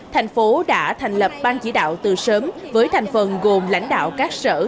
thành phố đã thành lập ban chỉ đạo từ sớm với thành phần gồm lãnh đạo các sở